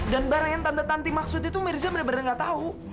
dan barang yang tante tanti maksud itu mirza bener bener gak tahu